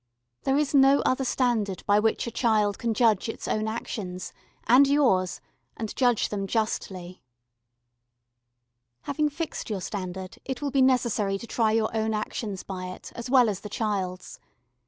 There is no other standard by which a child can judge its own actions, and yours, and judge them justly. Having fixed your standard it will be necessary to try your own actions by it as well as the child's.